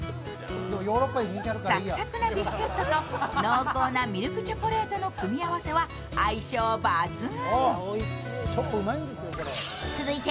サクサクなビスケットと濃厚なミルクチョコレートの組み合わせは相性抜群。